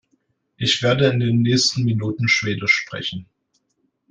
Ich werde in den nächsten Minuten schwedisch sprechen.